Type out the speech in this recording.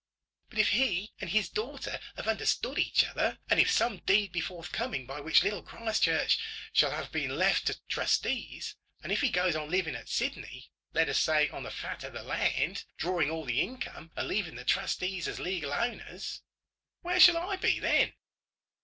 "But if he and his daughter have understood each other; and if some deed be forthcoming by which Little Christchurch shall have been left to trustees; and if he goes on living at Sydney, let us say, on the fat of the land, drawing all the income, and leaving the trustees as legal owners, where should I be then?"